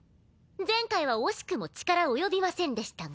前回は惜しくも力及びませんでしたが。